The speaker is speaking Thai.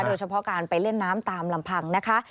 โดยเฉพาะการไปเล่นน้ำตามลำพังนะคะ